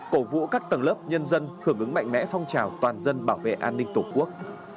cổ vũ các tầng lớp nhân dân hưởng ứng mạnh mẽ phong trào toàn dân bảo vệ an ninh tổ quốc